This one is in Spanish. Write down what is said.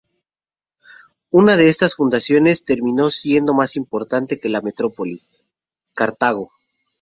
Una de estas fundaciones terminó siendo más importante que la metrópoli, Cartago.